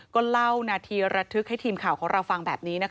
ก็เล่านาทีระทึกให้ทีมข่าวของเราฟังแบบนี้